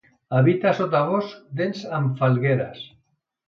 Habita sotabosc dens amb falgueres.